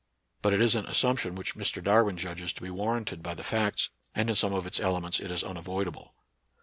But it is an assumption which Mr. Darwin judges to be war ranted by the facts, and in some of its elements it is unavoidable.